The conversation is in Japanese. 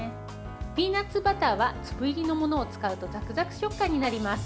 ピーナツバターは粒入りのものを使うとザクザク食感になります。